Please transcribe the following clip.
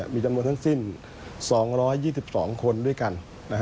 มีจำนวนทั้งสิ้น๒๒คนด้วยกัน